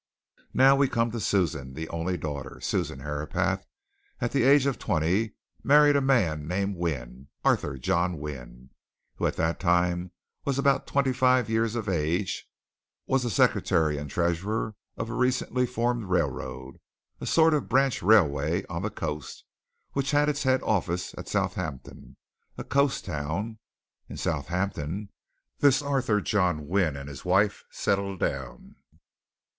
"Now we come to Susan, the only daughter. Susan Herapath, at the age of twenty, married a man named Wynne Arthur John Wynne, who at that time was about twenty five years of age, was the secretary and treasurer of a recently formed railway a sort of branch railway on the coast, which had its head office at Southampton, a coast town. In Southampton, this Arthur John Wynne and his wife settled down.